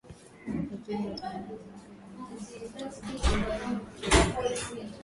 waziri wa zamani wa mambo ya ndani aliyetajwa na bunge kama waziri mkuu.